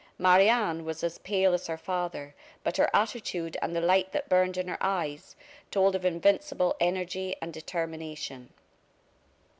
Marie Anne was as pale as her father, but her attitude and the light that burned in her eyes told of invincible energy and determination.